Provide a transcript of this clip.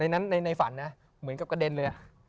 ในฝันนะเหมือนกับกระเด็นเลย